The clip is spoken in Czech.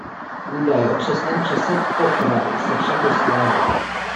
Údaje o přesném čase popravy se však rozcházejí.